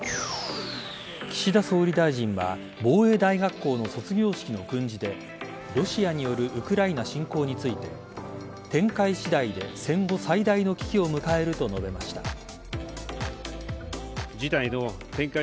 岸田総理大臣は防衛大学校の卒業式の訓示でロシアによるウクライナ侵攻について展開次第で、戦後最大の危機を迎えると述べました。